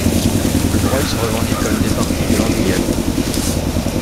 Le Breuil se revendique comme une des patries de l'andouillette.